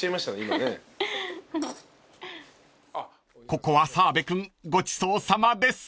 ［ここは澤部君ごちそうさまです］